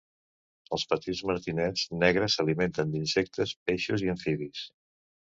Els petits martinets negres s'alimenten d'insectes, peixos i amfibis.